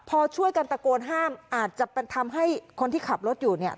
พอช่วยกันตะโกนห้ามอาจจะทำให้คนที่ขับรถอยู่เนี่ย